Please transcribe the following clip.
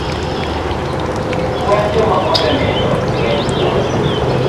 Kwan joma osenindo ng'eny buora.